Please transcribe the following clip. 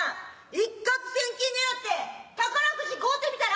一獲千金狙って宝くじ買うてみたら？